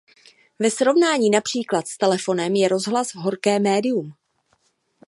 Ve srovnání například s telefonem je "rozhlas" horké médium.